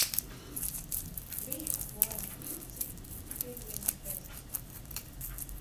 Bija apmēram pieci piektdienas pēcpusdienā.